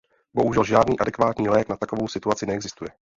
Bohužel žádný adekvátní lék na takovou situaci neexistuje.